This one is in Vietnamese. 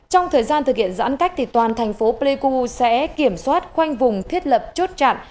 sau thời gian thực hiện giãn cách thì toàn tp pleiku sẽ kiểm soát khoanh vùng thiết lập chốt chặn